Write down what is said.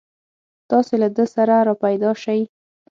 تاسې له ده سره راپیدا شئ.